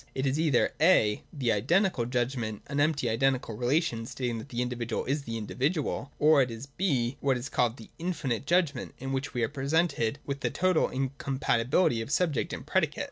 It is either («) the Identical judgment, an empty identical relation stating that the individual is the individual ; or it is (b) what is called the Infinite judgment, in which we are presented with the total incompatibility of subject and predicate.